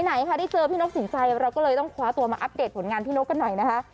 ไหนค่ะได้เจอพี่นกสินใจเราก็เลยต้องคว้าตัวมาอัปเดตผลงานพี่นกกันหน่อยนะคะ